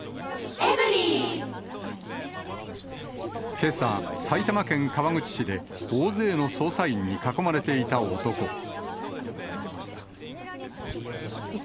けさ、埼玉県川口市で、大勢の捜査員に囲まれていた男。